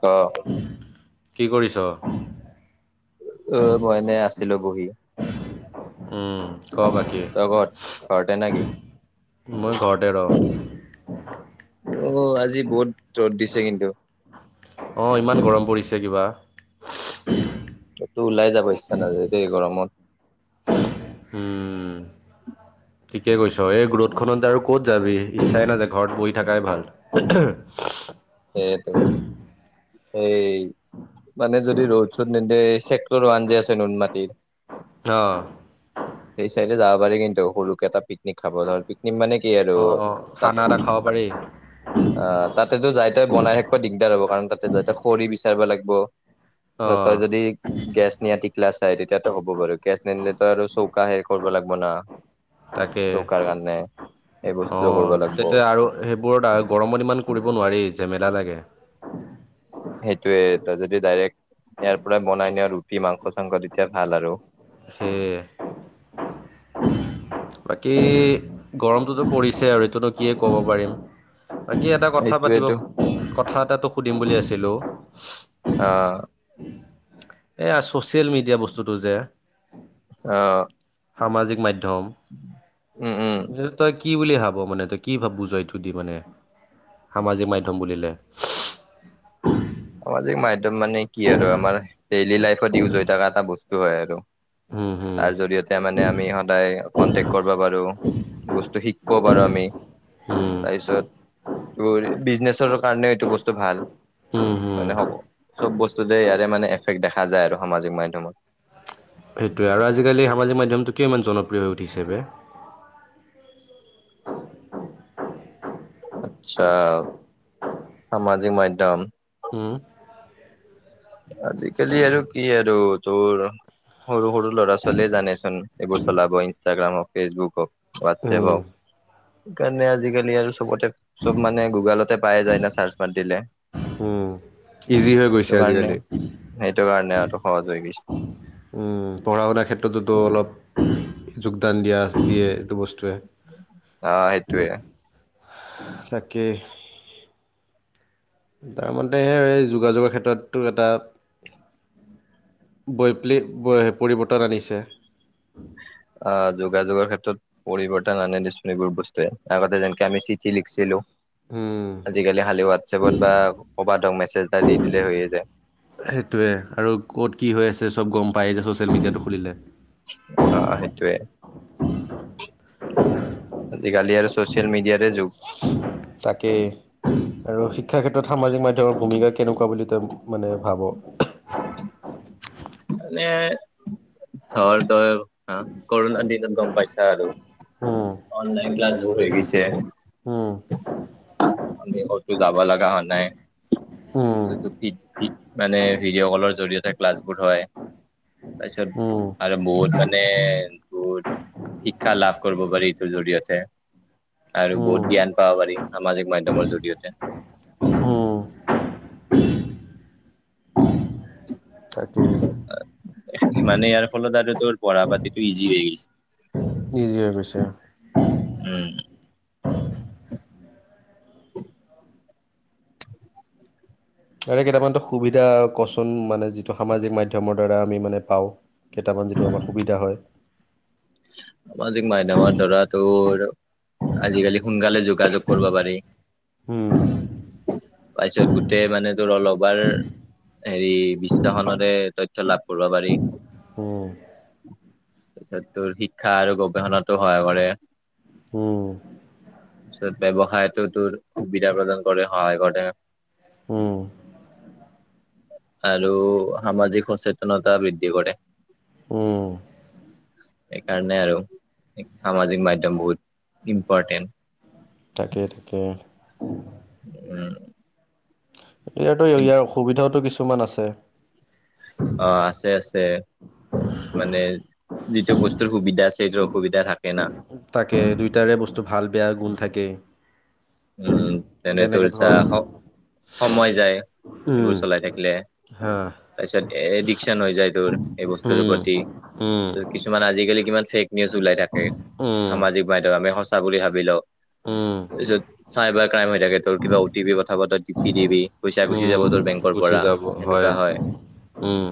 ক' কি কৰি ছ'? অ' মই এনে আছিলোঁ বহি। উম, ক' বাকী তই ক'ত ঘৰতে নেকি মই ঘৰতে ৰ'। [inaudible] অ', আজি বহুত ৰ'দ দিছে কিন্তু। অ', ইমান গৰম পৰিছে কিবা। তোৰ ওলাই যাব ইচ্ছা নাযায় দে গৰমত। উম, [inaudible] ঠিকে কৈ ছ' এই ৰ'দ খনত আৰু ক'ত যাবি ইচ্ছাই নাযায় ঘৰত বহি থাকাই ভাল। সেইটোৱে এই মানে যদি ৰ'দ চদ নিদে, ছেক্টৰ ৱান যে আছে নুন মাটিৰ। অ', সেইটো যাবা পাৰি কিন্তু সৰুকে এটা পিকনিক খাব ধৰ মানে কি আৰু অ, তাত খানা এটা খাব পাৰি। অ', তাতেতো যাই ততে বনাই থাকিব দিগদাৰ হ'ব কাৰণ তাতে যতে খৰি বিচাৰিবা লাগব, অ, তাৰপিছত তই যদি গেছ নিয়া টিকলা চাই তেতিয়াতো হ'ব বাৰু গেছ নিনিলেতো আৰু চৌকা হেৰি কৰিব লাগব না। তাকে। চৌকাৰ কাৰনে এই বস্তু অ, তেতিয়া আৰু সেইবোৰত আৰু গৰমত ইমান কৰিব নোৱাৰি যেমেলা লাগে সেইটোয়ে তই যদি ডাইৰেক্ট ইয়াৰ পৰা বনাই নিয়া ৰুটি মাংস চাংস তেতিয়া ভাল আৰু। সেই [inaudible] বাকী গৰমটোতো পৰিছে আৰু এইটোনো কিয়ে ক'ব পাৰিম। বাকী এটা কথা পাতিব এইটোয়েতো কথা এটা তোক সুধিম বুলি আছিলোঁ। অ এইয়া ছ'চিয়েল মিডিয়া বস্তুটো যে অ', সামাজিক মাধ্যম উম উম যিহেটো তই কি বুলি ভাব মানে তই কি ভাব বু'জ এইটো দি মানে? সামাজিক মাধ্যম বুলিলে সামাজিক মাধ্যম মানে কি আৰু আমাৰ ডেইলি লাইফত ইউজ হৈ থকা এটা বস্তু হয় আৰু। হম হম তাৰ জৰিয়তে মানে আমি সদায় কনটেকট কৰবা পাৰো। বস্তু শিকিব পাৰো আমি। হম তাৰপিছত তোৰ বিজনেচৰ কাৰণেও এইটো বস্তু ভাল। উম হম মানে স চব বস্তুতে ইয়াৰে মানে এফেক্ট দেখা যায় আৰু সামাজিক মাধ্যয়মত। সেইটোৱে আৰু আজিকালি সামাজিক মাধ্যমটো কিয় ইমান জনপ্ৰিয় হৈ উঠিছে বে? আটছা সামাজিক মাধ্যম। উম আজিকালি আৰু কি আৰু তোৰ সৰু সৰু ল'ৰা ছোৱালীয়ে জানেচোন এইবোৰ চলাব ইনষ্টাগ্ৰাম হওক, ফেচবুক হওক, হোৱাটছএপ উম হওক। সেইকাৰণে আজিকালি আৰু চবতে চব মানে গুগলতে পাইে যায় না চাৰ্চ মাত দিলে। উম', ইজি হৈ সেইটো গৈছে কাৰণে আজিকালি। সেইটো কাৰণে আৰুটো সহজ হৈ গৈছে উম, পঢ়া শুনাৰ ক্ষেত্ৰততো অলপ যোগদান দিয়া দিয়ে। বস্তুৱে অ', সেইটোৱে। তাকে। তাৰ মতেহে এই যোগাযোগৰ ক্ষেত্ৰতো এটা বৈপ্লি পৰিৱৰ্তন আনিছে। আ, যোগাযোগৰ ক্ষেত্ৰত পৰিৱৰ্তন আনে দেচোন এইবোৰ বস্তুৱে আগতে যেনেকে আমি চিঠি লিখিছিলো। উম আজিকালি খালি উয়াতছাপত বা কবাত হক মেছেজ এটা দি দিলেই হৈয়ে যায়। সেইটোৱে আৰু ক'ত কি হৈ আছে চব গম পায় যে ছ'চিয়েল মিডিয়াটো খুলিলে। অ', সেইটোৱে। ছ'চিয়েল মিডিয়াটো তাকেই আৰু শিক্ষা ক্ষেত্ৰত সামাজিক মাধ্যম ভূমিকা কেনেকুৱা বুলি তই মানে ভাব? মানে ধৰ তই কৰোনা দিনত গম পাইছা আৰু উম, অনলাইন ক্লা মোৰ এৰিছে। উম, আমি হয়তো যাব লগা হোৱা নাই। উম, মানে ভিডিঅ' কলৰ জৰিয়তে ক্লাছবোৰ হয়, তাপিছত উম, আৰু বহুত মানে বহুত শিক্ষা লাভ কৰিব পাৰি এইটোৰ জৰিয়তে আৰু উম, বহুত জ্ঞান পাব পাৰি সামাজিক মাধ্যমৰ জৰিয়তে। উম। তাকেই। মানে ইয়াৰ ফলত আৰু তোৰ পঢ়া পাতিটো ইজি হৈ গৈছে, হৈ ইজি গৈছে উম তাৰে কেইটামান তাই সুবিধা কচোন মানে যিটো সামাজিক মাধ্যমৰ দ্বাৰা আমি মানে পাওঁ? টাকৈ যিটো আমাৰ সুবিধা হয়। সামাজিক মাধ্যমৰ ধৰাটো আজিকালি সোনকালে যোগাযোগ কৰিব পাৰি, উম', তাৰপিছত গোটেই মানে তোৰ লবাৰ হেৰি বিশ্বাসনতে তথ্য লাভ কৰিব পাৰি। উম, তাৰপিছত তোৰ শিক্ষা আৰু গৱেষণাটো হয় মানে উম, তাৰপিছত ব্যৱসায়ত তোৰ সুবিধা প্ৰদান কৰে সহায় কৰে। উম। আৰু সামাজিক সচেতনতা বৃদ্ধি কৰে উম। সেইকাৰণে আৰু সামাজিক মাধ্যম বহুত ইম্পৰ্টেণ্ট। তাকে তাকে। উম। ইয়াতো ইয়াৰ অসুবিধাওো কিছুমান আছে। অ আছে আছে। মানে যিটো বস্তুৰ সুবিধা আছে সেইটো অসুবিধা থাকে না। তাকে দুয়টাৰে বস্তু ভাল বেয়া গুণ থাকে। উম তেনেটো যা‌ হক সময় যায় উম এইবোৰ চলাই থাকিলে হা তাৰপিছত এডিকশন হৈ যায় তোৰ এই বস্তুৰ উম প্ৰতি। উম কিছুমান আজিকালি কিমান চেক নিউজ ওলাই থাকে উম সামাজিক মাধ্্যম আমি সঁচা বুলি ভাবি লও উম যত চাইবাৰ ক্ৰাইম হৈ থাকে তোৰ কিবা অ টি পি কথা প ি পি ডিবি পইচা গুচি উম যাব তোৰ বেংকৰ গুচি পৰা যাব সেনেকুৱা হয়, উম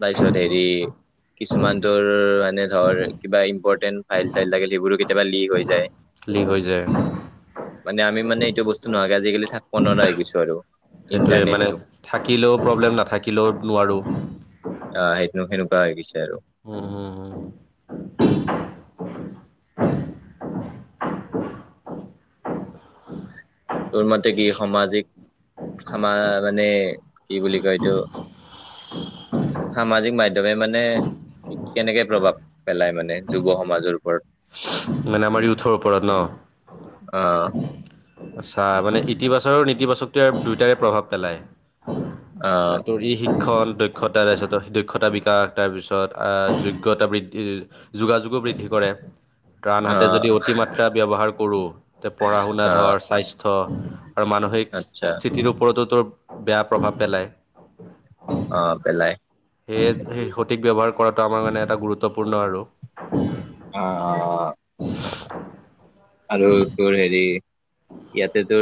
তাৰিছত হেৰি কিছুমানতোৰ মানে ধৰ কিবা ইম্পৰ্টেণ্ট ফাইল চাইল লাগিল সেইবোৰো কেতিয়াবা লী হৈ যায়। লি হৈ যায়। মানে আমি মানে এইটো বস্তু নহোৱাকে আজিকালি থাকিব নোৱাৰাগুছো আৰু। সেইটোৱে মানে ইণ্টাৰনেটটো থাকিলেও প্ৰব্লেম নাথাকিলেও নোৱাৰোঁ। কাই বিচাৰো। উম হুম হুম তোৰ মতে কি সামাজিক আমাৰ মানে কি বুলি কয় এইটো! সামাজিক মাধ্যমে মানে কেনেকে প্ৰভাৱ পেলায় মানে যুৱ সমাজৰ ওপৰত। [inaudible] মানে আমাৰ ইউঠৰৰ ওপৰত ন? আহ। আচ্ছা মানে ইতিবাচক আৰু নেতিবাচকত আৰু দুইটাৰে প্ৰভাৱ পেলায়। আহ তোৰ ই শিক্ষণ দক্ষতা তাৰপিছত দক্ষতা বিকাশ তাৰপিছত যোগ্যতা বৃদ্ধি যোগাযোগো বৃদ্ধি কৰে। আনহাতে আহ যদি অতি মাত্ৰা ব্যৱহাৰ কৰো তে পঢ়া শুনা আহ ধৰ স্বাস্থ্য আৰু মানসিক আচ্ছা স্থিতিৰ ওপৰতো বেয়া প্ৰভাৱ পেলায়। অ', পেলাই সেয়ে সেই সঠিক ব্য্ৱহাৰ কৰাটো আমাৰ মানে এটা গুৰুত্বপূৰ্ণ আৰু অআহ। আৰু তো হেৰি ইয়াতেতো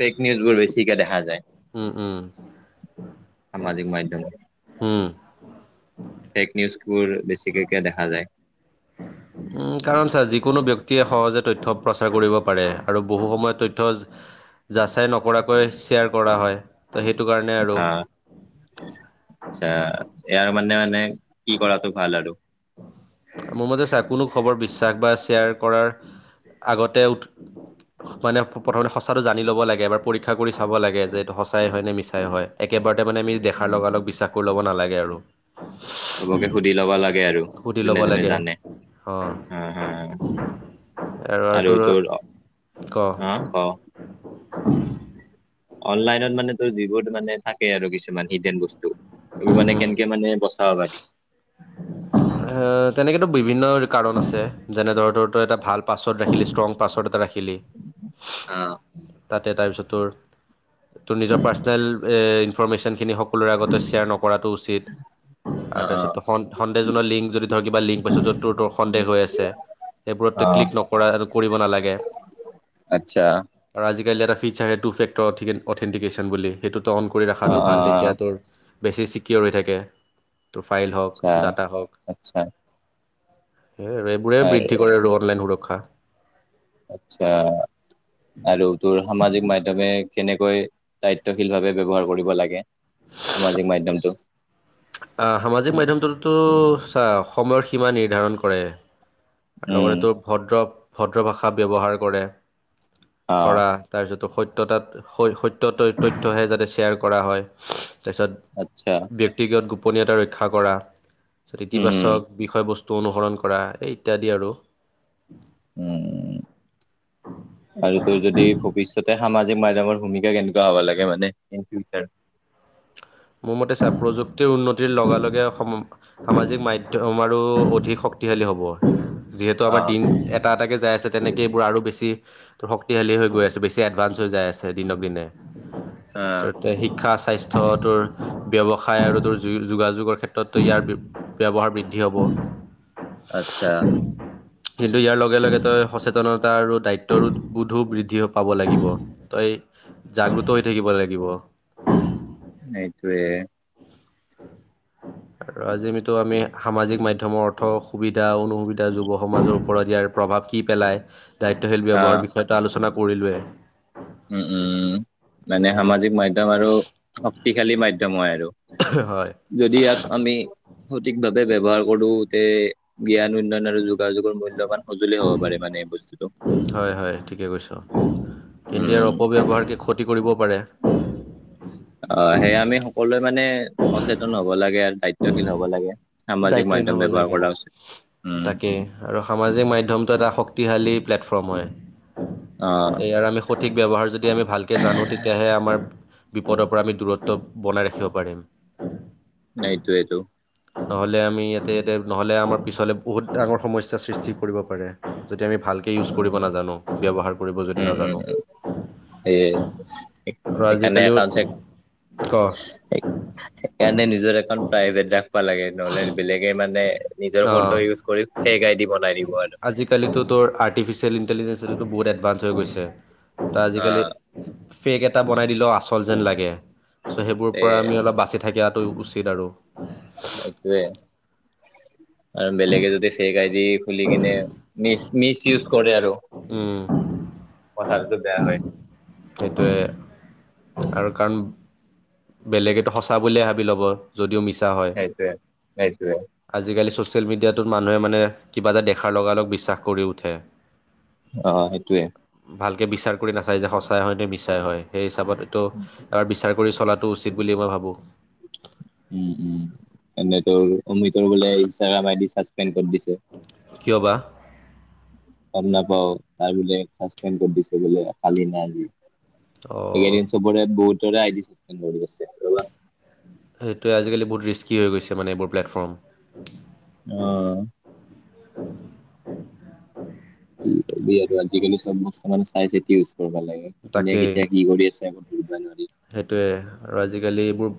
ফেক নিউজ বোৰ বেছিকে দেখা যায়। উম উম। সামাজিক মাধম, উম ফেক নিউজ বোৰ বেছিকেকে দেখা যায়। উম কাৰণ ছাৰ যিকোনো ব্ক্তিয়ে সহজে তথ্য প্ৰচাৰ কৰিব পাৰে আৰু বহু সময় তথ্য যাচাই নকৰাকৈ শ্বেয়াৰ কৰা হয়। ত' সেইটো কাৰণে আৰু আহছ। ইয়াৰ মানে মানে কি কৰাটো ভাল আৰু? মোৰ মতে কোনো খবৰ বিশ্বাস বা শ্বেয়াৰ কৰাৰ আগতে মানে প্ৰথমে সঁচাটো জানি ল'ব লাগে এবাৰ পৰীক্ষা কৰি চাব লাগে যে এইটো সঁচাই হয় নে মিছাই হয় একেবাৰে ততে মানে আমি দেখাৰ উম, লগাল লগ বিশ্বাস কৰি ল'ব নালাগে আৰু। চবকে সুধি ল'বা লাগে আৰু সুধি ল'ব যোনে যোনে লাগে জানে, অঁ হ হা। আৰু তোৰ, আহ ক। উ [unintelligible] অনলাইনত মানে তো যিবোৰ মানে থাকে আৰু কিছুমান হিডেন বস্তু। এইবোৰ মানে কেনেকে মানে বচাব পাৰি। [inaudible] তেনেকেতো বিভিন্ন কাৰণ আছে যেনে ধৰ ধ তো এটা ভাল পাছৱৰ্ড ৰাখিলি ষ্ট্ৰং পাছৱৰ্ড এটা ৰাখিল থি অ', তাতে তাৰপিছত তোৰ নিজৰ পাৰ্চনেল ইনফৰমেশচনখিনি সকলোৰে আগতে শ্বেয় ন কৰাটো উচিত, আৰু অ', তাৰপিছত অ', টোৰ কন লিংক যদি ধৰ কিবা লিংক পাইছো য'ত তোৰ তোৰ সন্দেহ হৈ আছে। সেইবোৰতো অ', ক্লিক নকৰা কৰিব নালাগে। আচ্ছা। আৰু এটা ফিচাৰ সেইটো ফেক্টৰঠিক অথেটিকেশ্যন বুলি সেইটো ত অন কৰি ৰখাটো অ', ভাল তেতিয়া অ', তোৰ বেছি চিকিিয়ৰ হৈ থাকে, তোৰ ফাইল হওক আচ্ছা ড আচ্ছা। সেই আৰু এইবোৰে বৃদ্ধি কৰে আৰু অনলাইন সুৰক্ষা। আচ্ছা। আৰু তোৰ সামাজিক মাধ্্যমে কেনেকৈ দায়িত্বশীল ভাৱে ব্য্ৱহাৰ কৰিব লাগে। সামাজিক মাধ্যয়মটো আহ সামাজিক মাধ্্যমটোতো চ সময়ৰ সীমা নিৰ্ধাৰণ কৰে। উম লগতে তোৰ ভদ্ৰ ভদ্ৰ ভাষা ব্য্ৱহাৰ কৰে, অ কৰা তাৰপিছত তো সত্্যতাত সত্য তথ্যহে যাতে শ্বেয়াৰ কৰা হয়। তাৰপিছত আচ্ছা ব্যক্তিগত গোপনীয়তা ৰক্ষা কৰা তাৰপছত উম হম ইতিবাচক বিষয়বস্তু বস্তু অনুসৰণ কৰা এই ইত্যাদি আৰু। উম। আৰু তোৰ যদি ভৱিষ্যতে সামাজিক মাধ্্যমৰ ভূমিকা কেনেকুৱা হ'ব লাগে মানে ইন ফিউচাৰ উ [inaudible] মোৰ মতে প্ৰযুক্তিৰ উন্নতিৰ লগে লগে সামাজিক মাধ্যম আৰু অধিক টিলৌ হব যিহেতো অ আমাৰ দিন এটা এটা কে যাই আছে তেনেকৈ এইবোৰ আৰু বেছি শক্তিশালী হৈ গৈ আছে বেছি এডভাঞ্চ হৈ যায় আছে দিনক দিনে। অ ত শিক্ষা স্বাস্থ্যটোৰ ব্যৱসায় আৰু যোগাযোগৰ ক্ষেত্ৰতো ইয়াৰ ব্যৱহাৰ বৃদ্ধি হ'ব। আচ্ছা। কিন্তু ইয়াৰ লগে লগে তই সচেতনতা আৰু দায়িত্বৰো বোধো বৃদ্ধি পাব লাগিব তই জাগ্ৰত হৈ থাকিব লাগিব। নেইটোৱে। আৰু আজি আতো আমি সামাজিক মাধ্য়মৰ অৰ্থ সুবিধা অনুসুবিধা যুৱ সমাজৰ ওপৰত দিয়াৰ প্ৰভাৱ কি পেলাই দায়িত্বশীল অ ব্যয়ৱহাৰৰ বিষয়টো আলোচনা কৰিলোৱয়ে। উম উম উম। মানে সামাজিক মাধ্্যম আৰু শক্তিশালী মাধ্্যম হয় আৰু। হয়। যদি ইয়াক আমি সঠিক ভাৱ ব্যয়ৱহাৰ কৰো তে জ্ঞান উন্নয়ন আৰু যোগাযোগৰ মূল্যয়ান সজুলেই হ'ব পাৰে মানে বস্তুতটো। হয় হয় ঠিকে কৈছ কিন্তু ইয়াৰ উম অপব্য়ৱহাৰ কি কতি কৰিব পাৰে। অ' সেয়য়া আমি সকলোৱে মানে সচেতন হব লাগে আৰু দায়িত্বশীল হ'ব লাগে। সামাজিক দায়িত্বহীন মাধ্যম হ'ব ব্যৱহাৰ লাগে, কৰা উচিত উম তাকেই আৰু সামাজিক মাধ্য়মটোটো এটা শক্তি প্ৰতিহালী প্লেটফৰ্ম হয়। অ তে ইয়াৰ আমি সঠিক ব্য্ৱহাৰ যদি আমি ভালকে জানো তেতিয়াহে আমাৰ বিপদৰ পৰা আমি দূৰত্ব বনাই ৰাখিব পাৰিম। নাই তো এইটো। নহ'লে আমি ইয়াতে ইয়াতে নহ'লে আমাৰ পিছলৈ বহুত ডাঙৰ সমস্যাৰ সৃষ্টি কৰিব পাৰে যদি আমি ভালকৈ ইউজ কৰিব উম নাজানো ব্যৱহাৰ কৰিব যদি নাজানো। সেই আৰু সেইকাৰণনে আজিকালিও একাউছে ক সেইকাৰণে নিজৰ এখন প্ৰাইভেট া লাগে নহলে বেলেগে মানে নিজৰ অ' ফটো ইউজ কৰি সেই গড বনাই দিব আৰু। আজিকালিতো তোৰ আৰ্টিফিচিয়েল ইণ্টেলিজেঞ্চতো বহুত এডভান্ঞ্চ হৈ গৈছে তাৰ হা আজিকাল‌ ফেক এটা বনাই দিলেও আচল যেন লাগে চ' সেইবোৰ তে পৰা আমি অলপ বাচি থাকোঁ। থেকটো উচিত আৰু। সটোৱেই। আৰু বেলেগে যদি ফেক আইদি খুলি কিনে মিচ মিচ ইউজ কৰে আৰু। উম। দয়া হয়। সেইটোৱে আৰু কাৰণ বেলেগো সঁচা বুলে ভাবি ল'ব যদিও মিছা হয়, সেইটোৱে সেইটোৱে আজিকালিৰ ছ'চিয়েল মিডিয়াটোত মানুহে মানে কিবা এটা দেখাৰ লগালগ বিশ্বাস কৰি উঠে। অ সেইটোৱে ভালকে বিচাৰ কৰি নাচায় যে সঁচাই হয় নে মিছাই হয় সেই হিচাপত এইটো এাৰ বিচাৰ কৰি চলাটো উচিত বুলি মই ভাবোঁ। উম উম এনে তোৰ অমিতৰ বোলে ইনষ্টাগ্ৰাম আই দি চ প দিছে। কিয় বা গম নাপাও তাৰ বোলে চাচপেণ্ড কৰি দিছে বোলে কালি না অঁ আজি। চবৰে বহুতৰেইছে। সেইটোৱে আজিকালি বহুত ৰিস্কি হৈ গৈছে মানে এইবোৰ প্লেটফৰ্ম। আহ। [unintelligible] কি কবি আৰু আজিকালি চব বস্তু মানে চাই চিতি ইউজ কৰিব লাগে কোনে কেতিয়া কি কৰি আছে ধৰিব নোৱাৰি। সেইটোয়ে আৰু আজিকালি এইবোৰ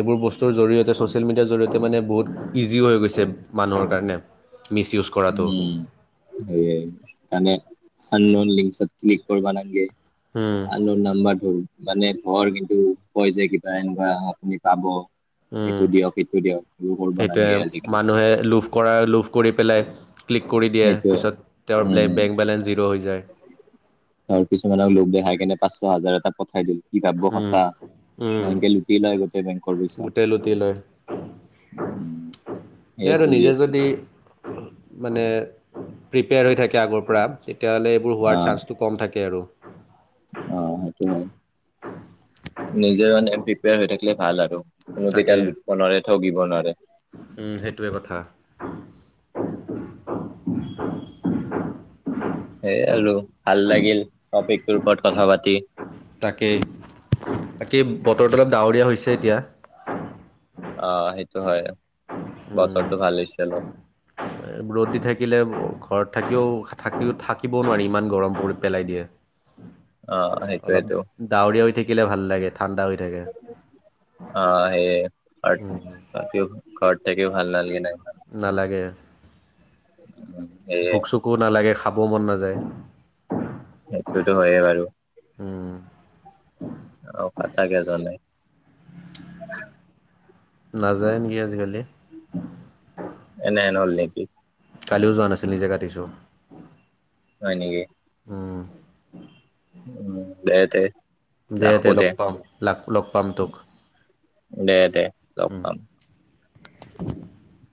এইবোৰ বস্তুৰ জৰিয়তে ছ'চিয়েল মিডিয়াৰ জৰিয়তে এ মানে বহুত ইজিও হৈ গৈছে মানুহৰ কাৰণে। মিছ ইউজ উম কৰাটো স তানে আ ন লিকত ক্লিক কৰিবা নে উম আ ন নাম্বাৰ ধৰো মানে ধৰ কিন্তু কয় যে কিবা এনেকুৱা আপুনি পাব। উম। এইটো দিয়ক সেইটো দিয়ক এইেইবোৰ কৰিব সেইটোৱে নালাগে আজিকালি। মানুহে লোভ কৰা লোভ কৰি পেলাই ক্লিক কৰি দিয়ে সেইটোৱে পিছত তেওঁৰ ব বেংক বেলেঞ্চ জিৰ' হৈ যায়। ত কিছুমানক লোক দেখাই কেনে পাঁচশ হাজাৰ এটা পঠাই দিল। কি ভাবব উম সঁচা উম সংকে লুটিয় লয় গোটেই বেংকৰ পইচা। গোটেই লুটি লয় উম সেই সেয়ে আৰু চলি নিজে আছে যদি মানে প্ৰিপেয়াৰ হৈ থাকে আগৰ পৰা তেতিয়াহ'লে এইবোৰ হোৱাৰ চা্সটো কম থাকে আৰু। অ' সেইটোয়ে, নিজে মানে প্ৰিপেয়াৰ হৈ থাকিলে ভাল আৰু। তাকে কোনোধিকাল লুটিব নোৱাৰে ঠগিব নোৱাৰে। উম সেইটোৱে কথা [unintelligible] সেইয় আৰু ভাল লাগিল টপিকটোৰ ওপৰত কথা পাতি। তাকেই বাকী বতৰটো অলপ ডাৱৰীয়া হৈছে এতিয়া। অ' সেইটো হয়, বতৰটো ভাল হৈছে অলপ। ৰদ দি থাকিলে ঘৰত থাকিও থাকিও থাকিবও নোৱাৰি ইমান গৰম পৰি পেলাই দিয়ে। অ অলপ সেইটোয়েতো ডউৰিীয়উৰি থাকিলে ভাল। লাগে ঠাণ্ডা হৈ থাকে অ' স ক থাকিও ভাল লালাগ নাই। নালাগে। সেয়ে ভোক চোকো নালাগে খাবও মন নাযায়। সেইটোতো হয়ে বাৰু। উম। আহ [unintelligible] নাযায় নেকি আজিকালি? এনেহেন হ'ল নেকি কালিও যোৱা নাছিল নিজে কাটিছো। হয় নেকি? উম। উম [inaudible] দে দে লগ পাম লগ লগ পাম তোক। দে দে লগ উম পাম। [inaudible]